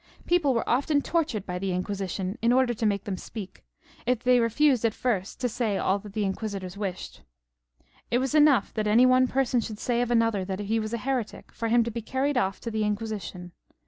People were often tortured by the Inquisition in order to make them speak, if they refused at first to say all that the Inquisi tors wished. It was enough that any one person should say of another that he was a heretic, for him to be carried off to the Inquisition.